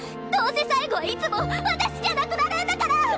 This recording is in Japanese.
どうせ最後はいつも私じゃなくなるんだから！